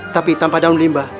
tapi tanpa daun limba